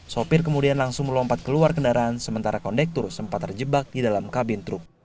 sopir kemudian langsung melompat keluar kendaraan sementara kondektur sempat terjebak di dalam kabin truk